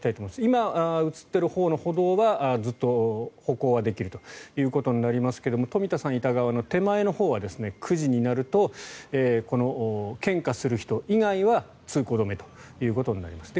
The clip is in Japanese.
今、映っているほうの歩道はずっと歩行はできるということになりますが冨田さんがいた側の手前側は９時になると献花する人以外は通行止めということになります。